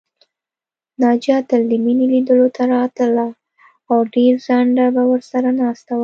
ناجیه تل د مينې لیدلو ته راتله او ډېر ځنډه به ورسره ناسته وه